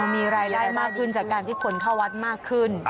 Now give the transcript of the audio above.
มีรายละเอียดมากขึ้นจากการที่ผลเข้าวัดมากขึ้น